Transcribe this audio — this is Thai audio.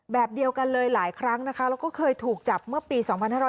แบบเดียวกันเลยหลายครั้งนะคะแล้วก็เคยถูกจับเมื่อปี๒๕๕๙